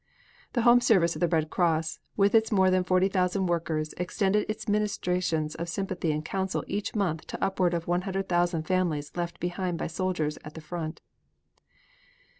The Home Service of the Red Cross with its more than 40,000 workers, extended its ministrations of sympathy and counsel each month to upward of 100,000 families left behind by soldiers at the front.